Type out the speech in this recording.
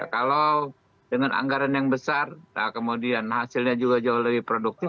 kalau dengan anggaran yang besar kemudian hasilnya juga jauh lebih produktif